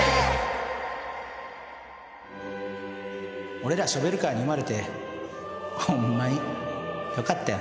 俺らショベルカーに生まれてホンマによかったよな。